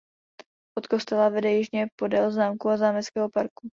Od kostela vede jižně podél zámku a zámeckého parku.